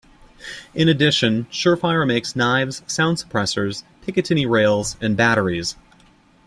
In addition, Surefire makes knives, sound suppressors, Picatinny Rails and batteries.